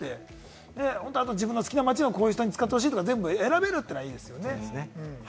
あと自分の好きな街をこういうふうに使ってほしいとか、選べるのはいいですよね。